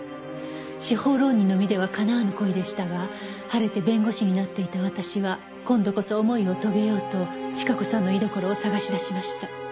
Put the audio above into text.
「司法浪人の身ではかなわぬ恋でしたが晴れて弁護士になっていた私は今度こそ思いを遂げようと千加子さんの居どころを捜し出しました」